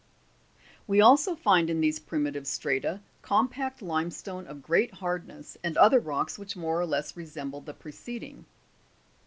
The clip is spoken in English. ] We also find in these primitive strata compact limestone of great hardness, and other rocks which more or less resemble the pre ceding.